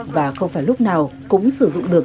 và không phải lúc nào cũng sử dụng được